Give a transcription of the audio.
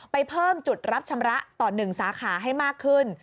ไปเพิ่มจุดรับชำระต่อ๑สาขาให้มากขึ้น